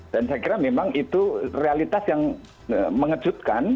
dan saya kira memang itu realitas yang mengejutkan